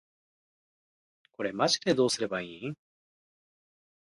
これマジでどうすれば良いん？